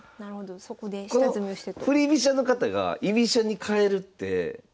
そこで下積みをしてと。